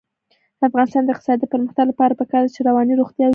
د افغانستان د اقتصادي پرمختګ لپاره پکار ده چې رواني روغتیا وي.